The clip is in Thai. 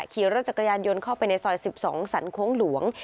ขี่รถจักรยานยนต์เข้าไปในซอย๑๒สรรโค้งหลวง